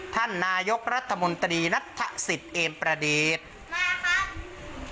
ท่านนายกดรัฐมนตรินัฐสิทธิเอมประดิษธิ์มาครับ